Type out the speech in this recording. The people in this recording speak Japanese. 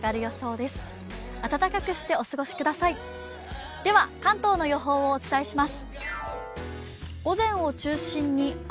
では、関東の予報をお伝えします。